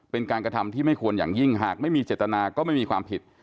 เป็นการกระทำที่ไม่ควรอย่างยิ่งหากไม่มีเจตนาก็ไม่มีความผิด